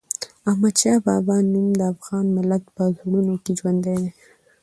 د احمدشاه بابا نوم د افغان ملت په زړونو کې ژوندي دی.